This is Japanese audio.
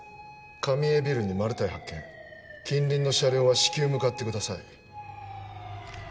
上江ビルにマルタイ発見近隣の車両は至急向かってください